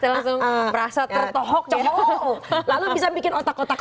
lalu bisa bikin otak otak